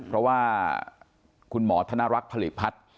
เพราะว่าคุณหมอธนรักษ์ผลิตพัฒน์